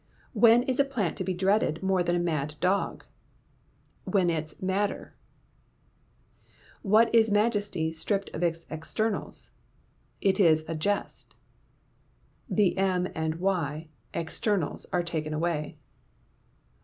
_ When is a plant to be dreaded more than a mad dog? When it's madder. What is majesty stripped of its externals? It is a jest. [The m and the y, externals, are taken away.